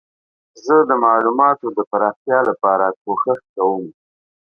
زه د معلوماتو د پراختیا لپاره کوښښ کوم.